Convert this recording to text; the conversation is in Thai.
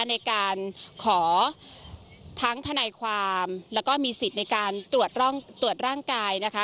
ในการขอทั้งทนายความแล้วก็มีสิทธิ์ในการตรวจร่างกายนะคะ